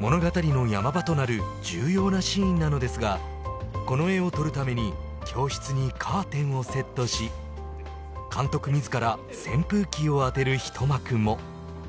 物語のヤマ場となる重要なシーンなのですがこの画を撮るために教室にカーテンを設置し監督自ら扇風機をあてる一幕も。